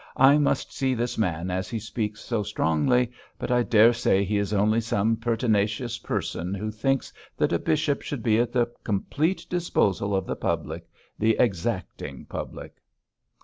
I must see this man as he speaks so strongly, but I daresay he is only some pertinacious person who thinks that a bishop should be at the complete disposal of the public the exacting public!'